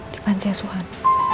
di pantai suhan